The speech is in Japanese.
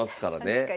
確かに。